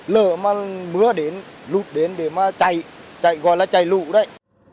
lỡ mà mưa đến lút đến để mà chạy chạy gọi là chạy lụ đấy